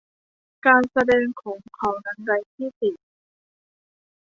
การแสดงของเขานั้นไร้ที่ติ